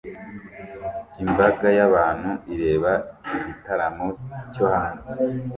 Imbaga y'abantu ireba igitaramo cyo hanze